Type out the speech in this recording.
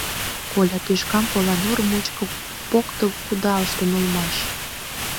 Коля тӱшкам Поланур мучко поктыл кудалыштын улмаш.